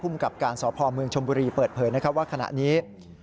ภูมิกับการสภอมืองชมบุรีเปิดเผยว่าขณะนี้